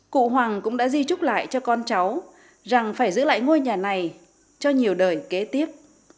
cụ hoàng cũng đã di trúc lại cho con cháu rằng phải giữ lại ngôi nhà này cho nhiều đời kế tiếp